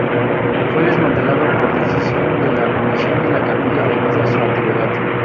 Fue desmantelado por decisión de la Comisión de la Capilla, debido a su antigüedad.